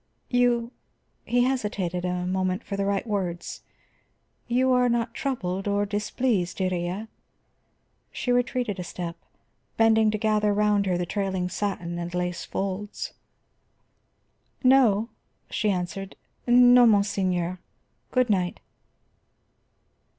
"You," he hesitated a moment for the right words. "You are not troubled, or displeased, Iría?" She retreated a step, bending to gather round her the trailing satin and lace folds. "No," she answered. "No, monseigneur. Good night."